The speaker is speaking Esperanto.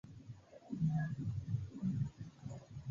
Bonvolu sciigi ankaŭ ilin, ke ili povos elŝuti tiun numeron senpage.